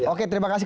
oke terima kasih